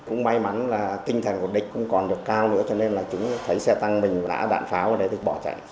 cũng may mắn là tinh thần của địch không còn được cao nữa cho nên là chúng thấy xe tăng mình đã đạn pháo ở đấy thì bỏ chạy